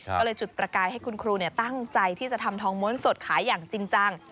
ก็เลยจุดประกายให้คุณครูตั้งใจที่จะทำทองม้วนสดขายอย่างจริงจัง